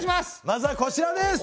まずはこちらです！